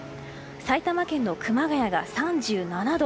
埼玉県の熊谷が３７度。